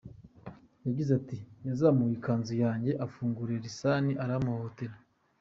Yagize ati “Yazamuye ikanzu yanjye afungura lisani arampohohotera.